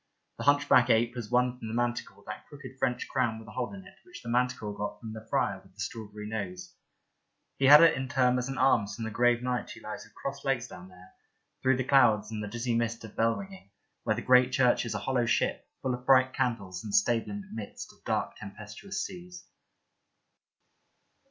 The hunch backed ape has won from the manticore that crooked French crown with a hole in it which the manticore got from the friar with the strawberry nose ; he had it in turn as an alms from the grave knight who lies with crossed legs down there, through the clouds and the dizzy mist of bell ringing, where the great church is a hollow ship, full of bright candles, and stable in the midst of dark tempestuous seas.